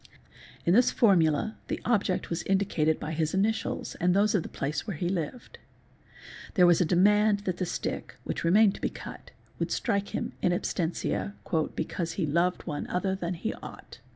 '' In this formula the object was indicated by his initials and those of the place where he lived; there was a demand that the stick (which remained to be cut) would strike him in absentia '' because he loved one other than he ought."